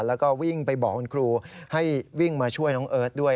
แล้วก็วิ่งไปบอกคุณครูให้วิ่งมาช่วยน้องเอิร์ทด้วย